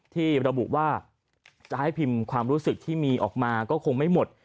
ที่ระบุว่าจะให้พิมพ์ความรู้สึกที่มีออกมาก็คงไม่หมด